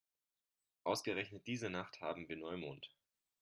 Ausgerechnet diese Nacht haben wir Neumond.